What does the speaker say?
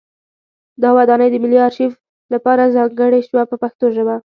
دا ودانۍ د ملي ارشیف لپاره ځانګړې شوه په پښتو ژبه.